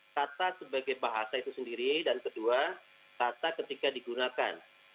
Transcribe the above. kata sebagai bahasa itu sendiri dan kedua kata ketika digunakan